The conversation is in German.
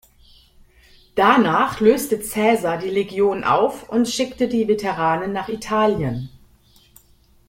Danach löste Caesar die Legion auf und schickte die Veteranen nach Italien.